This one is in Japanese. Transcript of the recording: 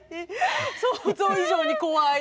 想像以上に怖い。